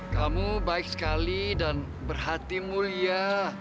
kamu baik sekali dan berhati mulia